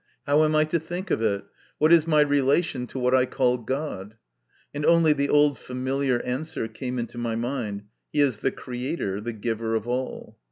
How am I to think of it? What is my relation to what I call God ?" And only the old familiar answer came into my mind, " He is the creator, the giver of all."